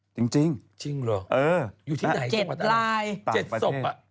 จริงจริงเหรออยู่ที่ไหน๗รายต่างประเทศ